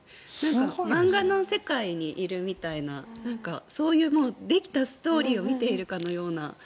漫画の世界にいるみたいなそういうできたストーリーを見ているかのような。